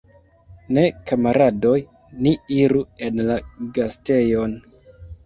Ne, kamaradoj, ni iru en la gastejon!